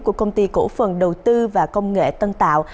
của công ty cổ phần đầu tư và công nghệ tân tạo